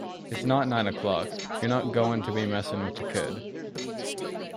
It's not nine o'clock... You're not goin' to be messin' with the kid'.